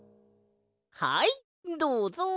はいどうぞ！